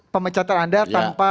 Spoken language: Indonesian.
pemecatan anda tanpa